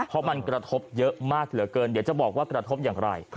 เพราะมันกระทบเยอะมากเหลือเกินเดี๋ยวจะบอกว่ากระทบอย่างไร